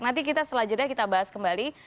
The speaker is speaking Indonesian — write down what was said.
nanti kita selanjutnya kita bahas kembali